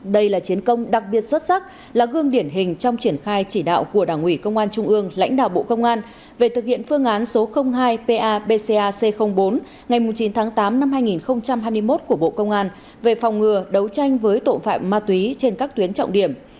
đây là chiến công đặc biệt xuất sắc là gương điển hình trong triển khai chỉ đạo của đảng ủy công an trung ương lãnh đạo bộ công an về thực hiện phương án số hai pa bcac bốn ngày chín tháng tám năm hai nghìn hai mươi một của bộ công an về phòng ngừa đấu tranh với tội phạm ma túy trên các tuyến trọng điểm